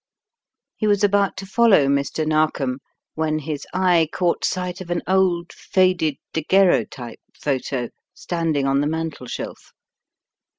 He was about to follow Mr. Narkom when his eye caught sight of an old, faded daguerreotype photo standing on the mantelshelf.